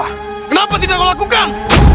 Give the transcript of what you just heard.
kenapa tidak kau lakukan